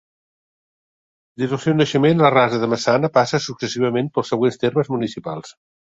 Des del seu naixement, la Rasa de Maçana passa successivament pels següents termes municipals.